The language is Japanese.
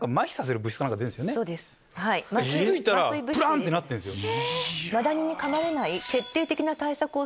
気付いたらぷらん！ってなってんすよ。